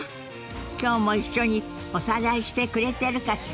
今日も一緒におさらいしてくれてるかしら？